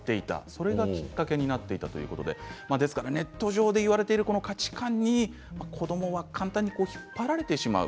それがきっかけになっていたということでネット上でいわれている価値観に子どもは簡単に引っ張られてしまう。